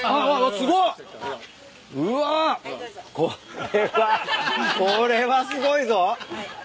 これはこれはすごいぞ。